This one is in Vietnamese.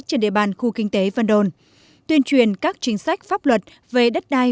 trên địa bàn khu kinh tế vân đồn tuyên truyền các chính sách pháp luật về đất đai